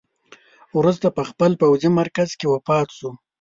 وروسته په خپل پوځي مرکز کې وفات شو.